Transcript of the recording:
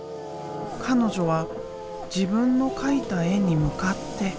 彼女は自分の描いた絵に向かって歌う。